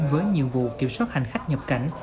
với nhiều vụ kiểm soát hành khách nhập cảnh